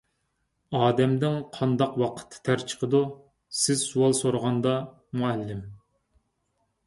_ ئادەمدىن قانداق ۋاقىتتا تەر چىقىدۇ؟ _ سىز سوئال سورىغاندا، مۇئەللىم.